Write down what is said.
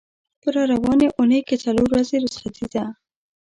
په را روانې اوونۍ کې څلور ورځې رخصتي ده.